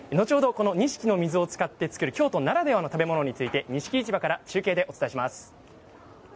この錦の水を使って作る京都ならではの食べ物について錦市場から中継でお伝えします。